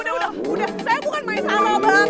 saya bukan maisaroh bang